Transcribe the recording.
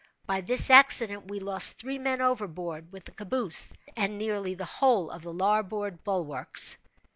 By this accident we lost three men overboard with the caboose, and nearly the whole of the larboard bulwarks.